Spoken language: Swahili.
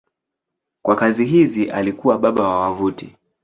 Kwa kazi hizi alikuwa baba wa wavuti.